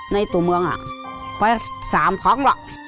ในตัวเมืองไปสามครั้ง